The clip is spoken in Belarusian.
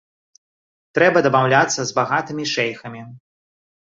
Трэба дамаўляцца з багатымі шэйхамі.